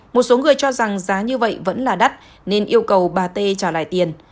một số người cho rằng giá như vậy vẫn là đắt nên yêu cầu bà t trả lại tiền